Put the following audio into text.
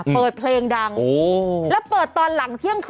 เปิดเพลงดังแล้วเปิดตอนหลังเที่ยงคืน